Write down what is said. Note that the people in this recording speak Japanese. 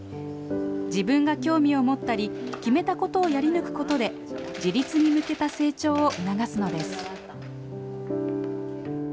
自分が興味を持ったり決めたことをやり抜くことで自立に向けた成長を促すのです。